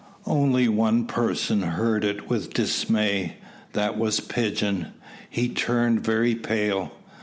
Only one person heard it with dismay. That was Pigeon. He turned very pale.